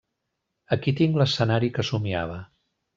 Aquí tinc l'escenari que somniava.